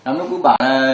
nó cứ bảo là